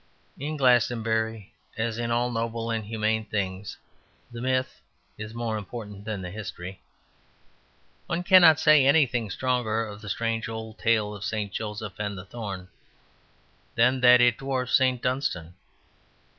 In Glastonbury, as in all noble and humane things, the myth is more important than the history. One cannot say anything stronger of the strange old tale of St. Joseph and the Thorn than that it dwarfs St. Dunstan.